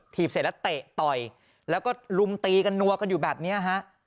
เสร็จแล้วเตะต่อยแล้วก็ลุมตีกันนัวกันอยู่แบบนี้ฮะ